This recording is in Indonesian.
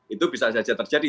itu bisa saja terjadi